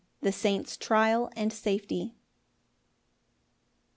The saint's trial and safely.